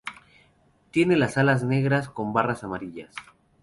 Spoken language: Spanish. Tiene las alas negras con barras amarillas.